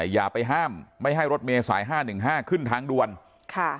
อย่าไปห้ามไม่ให้รถเมย์สายห้าหนึ่งห้าขึ้นทางด่วนค่ะ